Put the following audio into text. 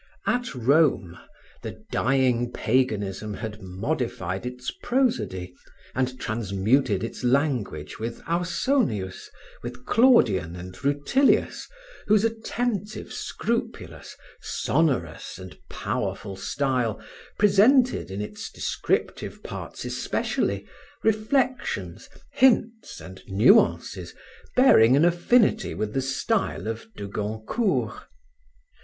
At Rome, the dying paganism had modified its prosody and transmuted its language with Ausonius, with Claudian and Rutilius whose attentive, scrupulous, sonorous and powerful style presented, in its descriptive parts especially, reflections, hints and nuances bearing an affinity with the style of de Goncourt.